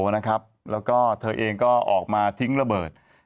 แล้วก็เธอเองก็ออกมาทิ้งระเบิด